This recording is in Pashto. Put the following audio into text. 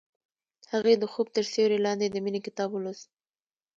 هغې د خوب تر سیوري لاندې د مینې کتاب ولوست.